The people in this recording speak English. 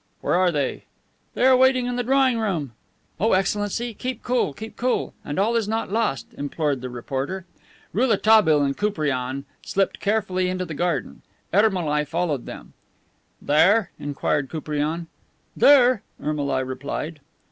"Where are they?" "They are waiting in the drawing room." "Oh, Excellency, keep cool, keep cool, and all is not lost," implored the reporter. Rouletabille and Koupriane slipped carefully into the garden. Ermolai followed them. "There?" inquired Koupriane. "There," Ermolai replied.